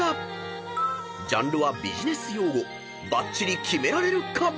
［ジャンルは「ビジネス用語」バッチリキメられるか？］